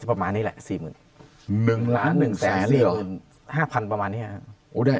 ประมาณนี้แหละ๔๑๑๕๐๐๐ประมาณนี้ครับ